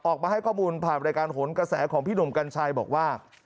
ออกมาให้ข้อมูลผ่านรายการโหนกระแสของพี่หนุ่มกัญชัยบอกว่า